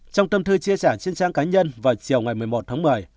trong tâm thư chia sẻ trên trang cá nhân vào chiều ngày một mươi một tháng một mươi